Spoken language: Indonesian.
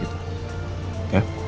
itu ya baik